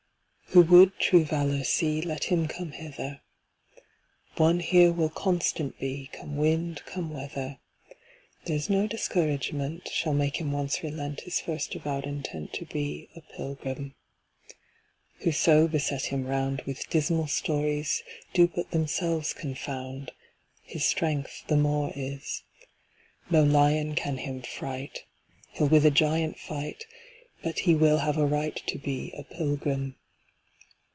"Who would true valor see, Let him come hither; One here will constant be, Come wind, come weather; There's no discouragement Shall make him once relent His first avowed intent To be a pilgrim. "Whoso beset him round With dismal stories, Do but themselves confound His strength the more is. No lion can him fright; He'll with a giant fight, But he will have a right To be a pilgrim.